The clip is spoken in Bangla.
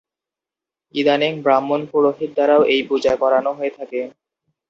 ইদানীং ব্রাহ্মণ পুরোহিত দ্বারাও এই পূজা করানো হয়ে থাকে।